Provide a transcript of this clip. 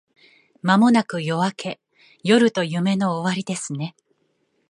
間もなく夜明け…夜と夢の終わりですね